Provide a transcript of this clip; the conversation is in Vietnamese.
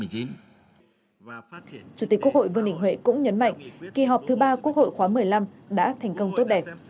chủ tịch quốc hội vương đình huệ cũng nhấn mạnh kỳ họp thứ ba quốc hội khóa một mươi năm đã thành công tốt đẹp